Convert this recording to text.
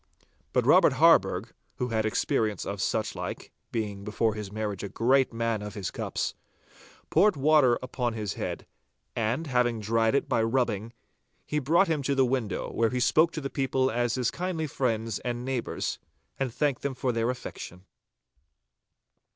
But Robert Harburgh, who had experience of suchlike, being before his marriage a great man of his cups, poured water upon his head, and, having dried it by rubbing, he brought him to the window, where he spoke to the people as his kindly friends and neighbours, and thanked them for their affection.